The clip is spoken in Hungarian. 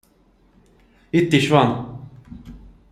Itt is van.